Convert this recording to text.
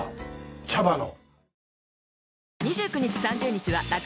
茶葉の。